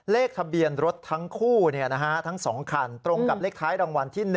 เลขทะเบียนรถทั้งคู่ทั้ง๒คันตรงกับเลขท้ายรางวัลที่๑